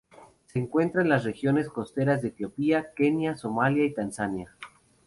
Se encuentra en las regiones costeras de Etiopía, Kenia, Somalia y Tanzania.